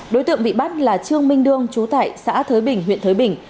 đối tượng bị bắt là trương minh đương chú tại xã thới bình huyện thới bình